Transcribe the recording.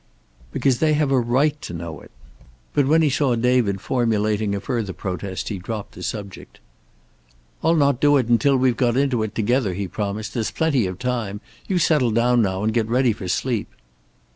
"Because they have a right to know it." But when he saw David formulating a further protest he dropped the subject. "I'll not do it until we've gone into it together," he promised. "There's plenty of time. You settle down now and get ready for sleep."